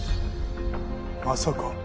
まさか。